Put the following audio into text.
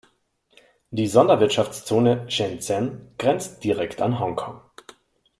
Die Sonderwirtschaftszone Shenzhen grenzt direkt an Hongkong.